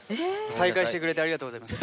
再開してくれてありがとうございます。